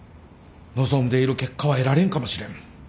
望んでいる結果は得られんかもしれん